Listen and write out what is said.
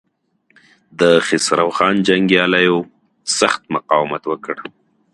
د خسرو خان جنګياليو سخت مقاومت وکړ.